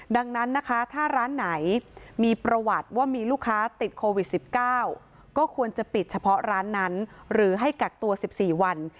ดังนั้นนะคะถ้าร้านไหนมีประวัติว่ามีลูกค้าติดโควิด๑๙ก็ควรจะปิดเฉพาะร้านนั้นหรือให้กักตัว๑๔วัน